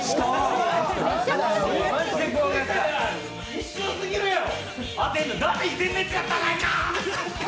一瞬すぎるやろ。